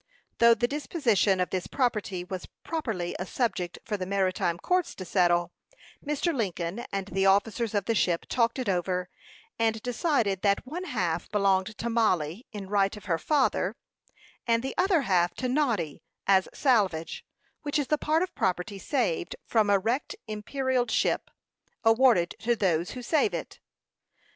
Though the disposition of this property was properly a subject for the maritime courts to settle, Mr. Lincoln and the officers of the ship talked it over, and decided that one half belonged to Mollie, in right of her father, and the other half to Noddy, as salvage, which is the part of property saved from a wrecked imperilled ship, awarded to those who save it.